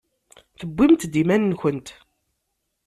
Tewwimt-d iman-nkent.